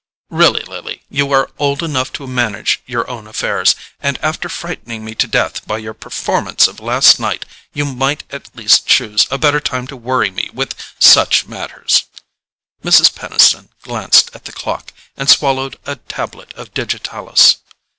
"Really, Lily, you are old enough to manage your own affairs, and after frightening me to death by your performance of last night you might at least choose a better time to worry me with such matters." Mrs. Peniston glanced at the clock, and swallowed a tablet of digitalis.